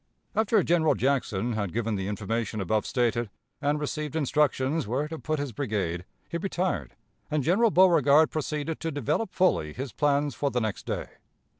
After General Jackson had given the information above stated, and received instructions where to put his brigade, he retired, and General Beauregard proceeded to develop fully his plans for the next day.